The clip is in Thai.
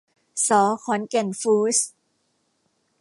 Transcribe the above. ส ขอนแก่นฟู้ดส์